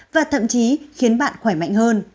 và thậm chí khiến bạn khỏe mạnh hơn